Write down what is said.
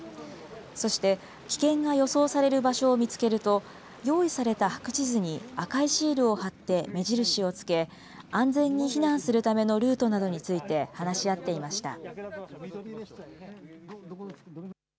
そして、危険が予想される場所を見つけると、用意された白地図に赤いシールを貼って目印をつけ、安全に避難するためのルートなどについて話し合っていました。